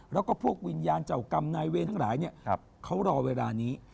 แล้วก็พวกวิญญาณเจ้ากรรมนายเวรทั้งหลายเขารอเวลานี้